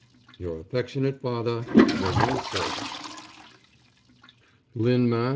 Your affectionate father, WILLIAM SOULE. LYNN, MASS.